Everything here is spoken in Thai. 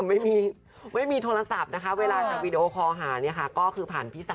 ไม่มีไม่มีโทรศัพท์นะคะเวลาทางวีดีโอคอลหาเนี่ยค่ะก็คือผ่านพี่สาว